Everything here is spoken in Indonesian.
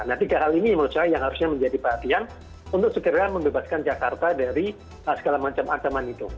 nah tiga hal ini menurut saya yang harusnya menjadi perhatian untuk segera membebaskan jakarta dari segala macam ancaman itu